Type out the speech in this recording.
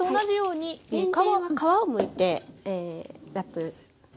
にんじんは皮をむいてラップ。